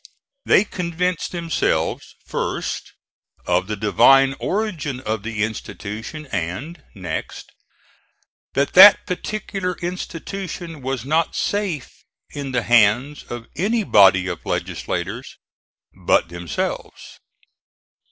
They convinced themselves, first, of the divine origin of the institution and, next, that that particular institution was not safe in the hands of any body of legislators but themselves.